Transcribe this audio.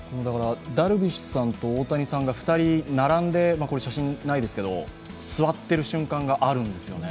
ダルビッシュさんと大谷さんが２人並んで写真ないですけど座ってる瞬間があるんですよね。